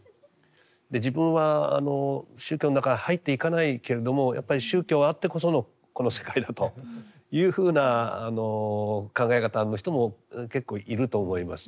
自分は宗教の中に入っていかないけれどもやっぱり宗教あってこそのこの世界だというふうな考え方の人も結構いると思います。